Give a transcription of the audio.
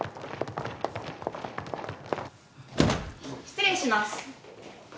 ・・失礼します。